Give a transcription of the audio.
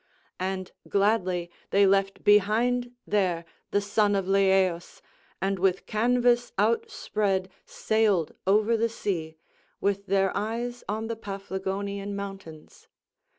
And gladly they left behind there the son of Lyeus and with canvas outspread sailed over the sea, with their eyes on the Paphlagonian mountains.